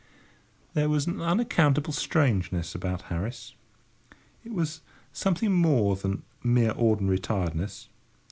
There was an unaccountable strangeness about Harris. It was something more than mere ordinary tiredness.